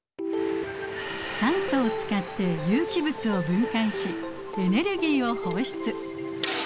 酸素を使って有機物を分解しエネルギーを放出。